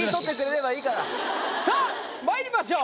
さぁまいりましょう。